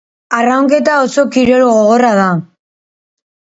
Arraunketa oso kirol gogorra da.